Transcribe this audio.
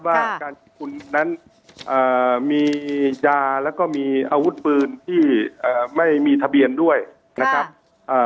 ว่าการจับปุ่มนั้นมียาและก็มีอาวุธปืนที่ไม่มีทะเบียนด้วยนะครับ